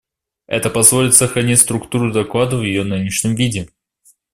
Это позволит сохранить структуру доклада в ее нынешнем виде.